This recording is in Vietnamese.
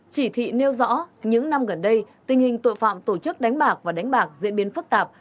chỉ thị nêu rõ những năm gần đây tình hình tội phạm tổ chức đánh bạc và đánh bạc diễn biến phức tạp